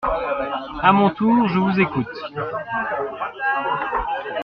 À mon tour, je vous écoute.